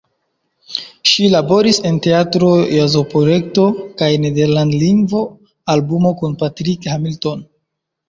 Ŝi laboris en teatro-ĵazoprojekto kaj nederlandlingva albumo kun Patrick Hamilton.